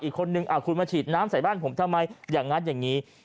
อีกคนนึงคุณมาฉีดน้ำใส่บ้านผมทำไมอย่างนั้นอย่างนี้